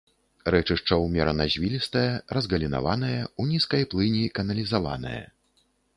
Рэчышча ўмерана звілістае, разгалінаванае, у нізкай плыні каналізаванае.